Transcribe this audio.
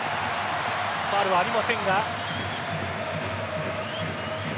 ファウルはありませんが。